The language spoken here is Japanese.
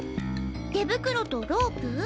手袋とロープ？